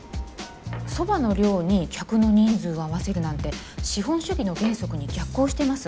蕎麦の量に客の人数を合わせるなんて資本主義の原則に逆行しています。